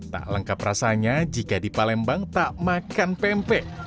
tak lengkap rasanya jika di palembang tak makan pempek